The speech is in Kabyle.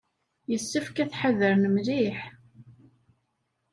Yessefk ad tḥadren mliḥ.